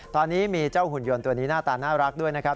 ตอนนี้มีเจ้าหุ่นยนต์ตัวนี้หน้าตาน่ารักด้วยนะครับ